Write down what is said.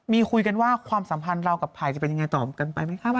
มีคุยกันว่าความสัมพันธ์เรากับภัยจะเป็นยังไงต่อกันไปไหมคะ